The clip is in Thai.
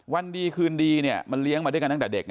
วันดีคืนดีเนี่ยมันเลี้ยงมาด้วยกันตั้งแต่เด็ก